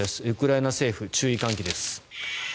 ウクライナ政府、注意喚起です。